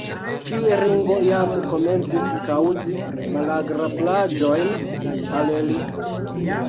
Ĉi ringo jam komencis kaŭzi malagrablaĵojn al li.